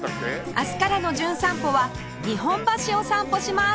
明日からの『じゅん散歩』は日本橋を散歩します